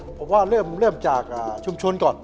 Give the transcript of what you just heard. ผมว่าเริ่มจากชุมชนก่อน